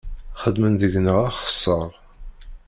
Xedmen deg-neɣ axessar.